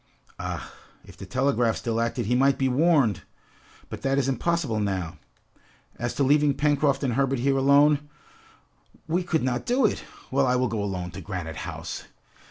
"Ah, if the telegraph still acted, he might be warned! But that is impossible now! As to leaving Pencroft and Herbert here alone, we could not do it! Well, I will go alone to Granite House."